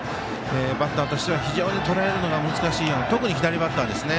バッターとしては非常にとらえるのが難しいような特に左バッターですね。